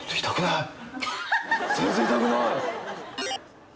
全然痛くない！